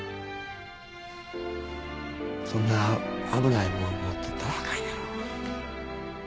そんな危ないもん持っとったらあかんやろ。